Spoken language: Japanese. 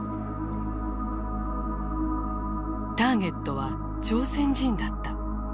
ターゲットは朝鮮人だった。